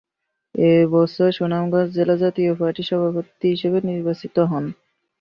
একই বছর সুনামগঞ্জ জেলা জাতীয় পার্টির সভাপতি হিসেবে নির্বাচিত হন।